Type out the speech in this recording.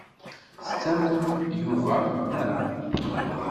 Tettamnem Yuba, naɣ?